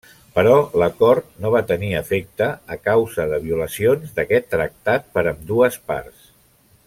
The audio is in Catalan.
Però l'acord no va tenir efecte, a causa de violacions d'aquest tractat per ambdues parts.